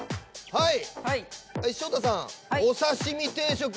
はい。